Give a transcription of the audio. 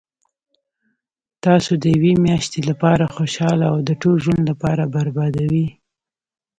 تاسو د یوې میاشتي لپاره خوشحاله او د ټول ژوند لپاره بربادوي